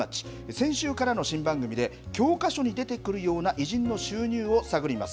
先週からの新番組で、教科書に出てくるような偉人の収入を探ります。